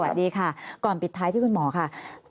สวัสดีค่ะก่อนปิดท้ายที่คุณหมอค่ะ